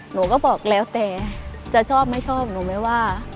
หนูก็บอกแล้วแต่จะชอบไม่ชอบหนูไม่ว่า